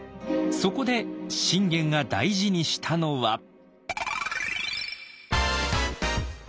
そこで信玄が大事にしたのは。